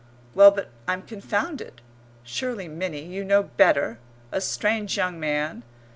Well, but I'm confounded.... Surely, Minnie, you know better! A strange young man....